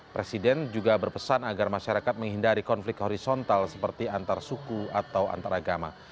presiden juga berpesan agar masyarakat menghindari konflik horizontal seperti antar suku atau antar agama